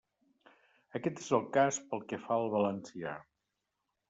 Aquest és el cas pel que fa al valencià.